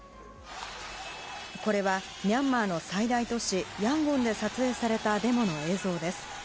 これは、ミャンマーの最大都市ヤンゴンで撮影されたデモの映像です。